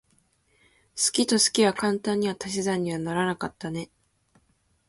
好きと好きは簡単には足し算にはならなかったね。